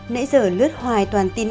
nãy giờ lướt hoài toàn tin ăn bò